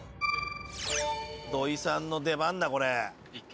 土居さんの出番だこれ。